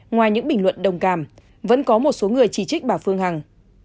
ngoài những bình luận đồng cảm vẫn có một số người chỉ trích bà phương hằng